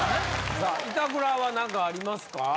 さあ板倉はなんかありますか？